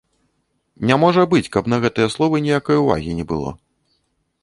Не можа быць, каб на гэтыя словы ніякай увагі не было.